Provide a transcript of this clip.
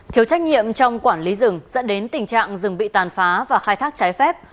thiếu trách nhiệm trong quản lý rừng dẫn đến tình trạng rừng bị tàn phá và khai thác trái phép